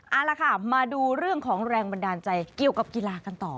เอาละค่ะมาดูเรื่องของแรงบันดาลใจเกี่ยวกับกีฬากันต่อ